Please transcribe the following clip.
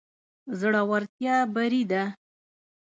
زړورتيا بري ده.